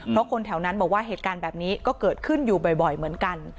เพราะคนแถวนั้นบอกว่าเหตุการณ์แบบนี้ก็เกิดขึ้นอยู่บ่อยเหมือนกัน